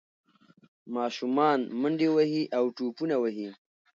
ماشومان منډې وهي او ټوپونه وهي.